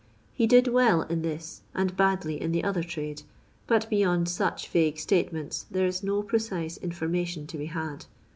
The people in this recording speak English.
He " did well " in this, and badly in the other trade, but beyond such vague statements there is no pre cise information to be had.